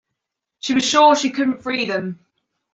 She was sure she could not free them.